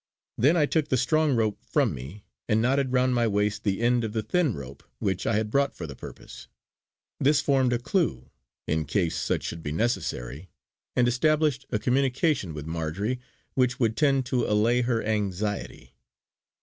Then I took the strong rope from me, and knotted round my waist the end of the thin rope which I had brought for the purpose. This formed a clue, in case such should be necessary, and established a communication with Marjory which would tend to allay her anxiety.